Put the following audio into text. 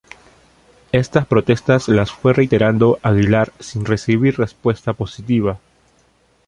Estas protestas las fue reiterando Aguilar sin recibir respuesta positiva.